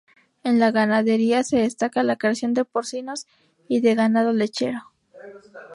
En la ganadería, se destaca la creación de porcinos y de ganado lechero.